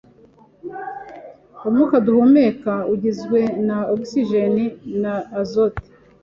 Umwuka duhumeka ugizwe na ogisijeni na azote.